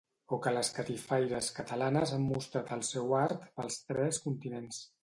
O que les catifaires catalanes han mostrat el seu art pels tres continents.